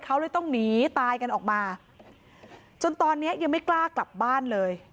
เขาเลยต้องหนีตายกันออกมาจนตอนนี้ยังไม่กล้ากลับบ้านเลย